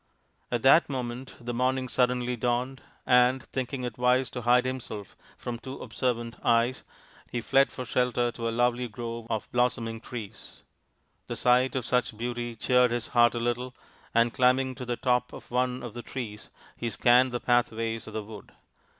At that moment the morning suddenly dawned, and, thinking it wise to hide himself from too observant eyes, he fled for shelter to a lovely grove of blossom ing trees. The sight of such beauty cheered his heart a little, and climbing to the top of one of the trees he scanned the pathways of the wood.